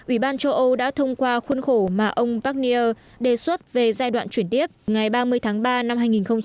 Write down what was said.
ủy ban châu âu đã thông qua khuôn khổ mà ông barnier đề xuất về giai đoạn chuyển tiếp ngày ba mươi tháng ba năm hai nghìn hai mươi